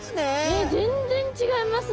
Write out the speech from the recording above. えっ全然違いますね。